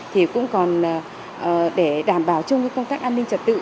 thì cũng còn để đảm bảo chung công tác an ninh trật tự